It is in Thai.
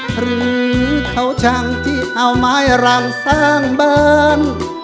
หรือเขาช่างที่เอาไม้รังสร้างบ้าน